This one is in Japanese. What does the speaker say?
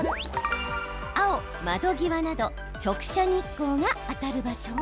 青・窓際など直射日光が当たる場所